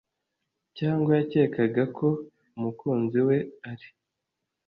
Cyangwa yakekaga ko umukunzi we ari